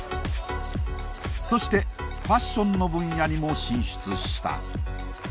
そしてファッションの分野にも進出した。